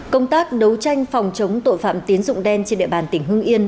công tác đấu tranh phòng chống tội phạm tín dụng đen trên địa bàn tỉnh hưng yên